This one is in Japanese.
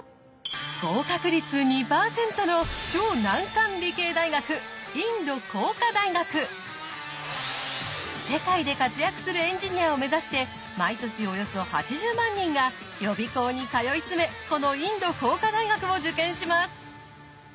合格率２％の超難関理系大学世界で活躍するエンジニアを目指して毎年およそ８０万人が予備校に通い詰めこのインド工科大学を受験します。